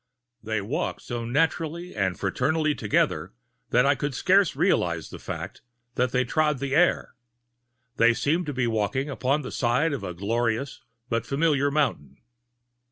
They walked so naturally and[Pg 201] fraternally together that I could scarcely realize the fact that they trod the air—they seemed to be walking upon the side of a glorious but familiar mountain.